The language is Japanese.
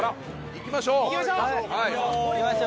行きましょう！